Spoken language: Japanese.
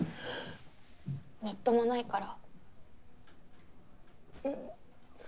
みっともないから。